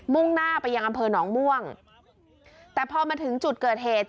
่งหน้าไปยังอำเภอหนองม่วงแต่พอมาถึงจุดเกิดเหตุ